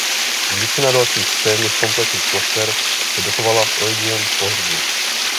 Většina dalších téměř kompletních koster se dochovala z ojedinělých pohřbů.